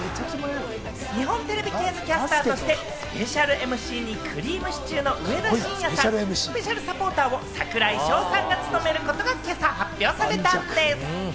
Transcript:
日本テレビ系のキャスターとしてスペシャルＭＣにくりぃむしちゅーの上田晋也さん、スペシャルサポーターを櫻井翔さんが務めることが今朝発表されたんでぃす。